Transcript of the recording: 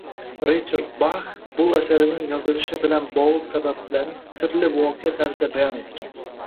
Richard Bax bu asarining yozilishi bilan bog‘liq sabablarni sirli voqea tarzida bayon etgan.